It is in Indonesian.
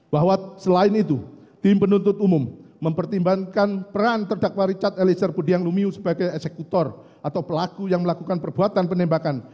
bahwa selain itu tim penuntut umum mempertimbangkan peran terdakwa richard eliezer budiang lumiu sebagai eksekutor atau pelaku yang melakukan perbuatan penembakan